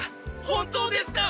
本当ですか！？